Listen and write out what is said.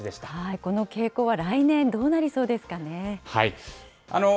この傾向は来年、どうなりそうですかね。